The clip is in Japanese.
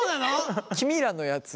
君らのやつ